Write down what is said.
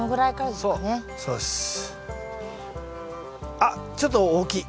あっちょっと大きい。